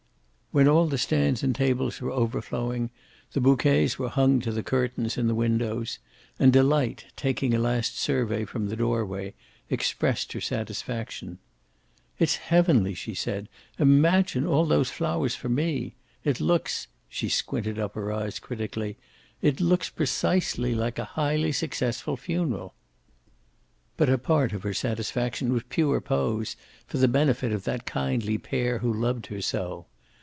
When all the stands and tables were overflowing, the bouquets were hung to the curtains in the windows. And Delight, taking a last survey, from the doorway, expressed her satisfaction. "It's heavenly," she said. "Imagine all those flowers for me. It looks" she squinted up her eyes critically "it looks precisely like a highly successful funeral." But a part of her satisfaction was pure pose, for the benefit of that kindly pair who loved her so.